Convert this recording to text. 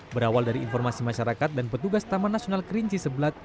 berawal dari informasi masyarakat dan petugas taman nasional kerinci sebelat